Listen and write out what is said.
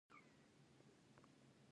په نساجۍ کې پنبه د کار موضوع هم شمیرل کیږي.